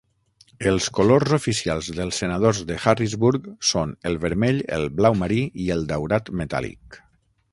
Els colors oficials dels senadors de Harrisburg són el vermell, el blau marí i el daurat metàl·lic.